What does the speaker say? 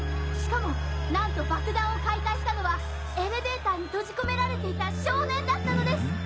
しかもなんと爆弾を解体したのはエレベーターに閉じ込められていた少年だったのです！